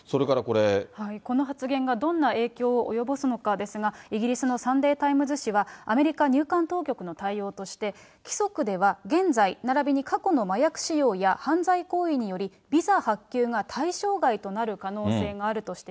この発言がどんな影響を及ぼすのかですが、イギリスのサンデー・タイムズ紙は、アメリカ入管当局の対応として、規則では現在ならびに過去の麻薬使用や犯罪行為により、ビザ発給が対象外となる可能性があると指摘。